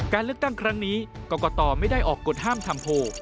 การเลือกตั้งครั้งนี้กรกตไม่ได้ออกกฎห้ามทำโพล